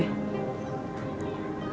cepet sembuh ya lo